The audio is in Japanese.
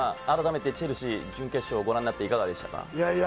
あらためてチェルシー準決勝をご覧なっていかがでしたか。